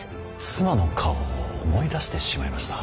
妻の顔を思い出してしまいました。